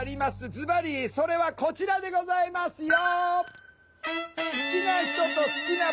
ズバリそれはこちらでございますよ。